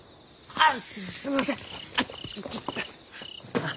あっ。